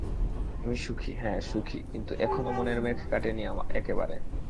আমি সুখী, হ্যাঁ, সুখী, কিন্তু এখনও মনের মেঘ কাটেনি একেবারে।